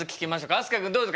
飛鳥君どうですか？